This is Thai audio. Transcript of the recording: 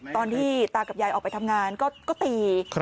ตอนที่ตากับยายออกไปทำงานก็ตี